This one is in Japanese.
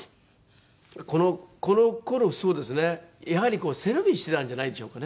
この頃そうですねやはり背伸びしてたんじゃないんでしょうかね。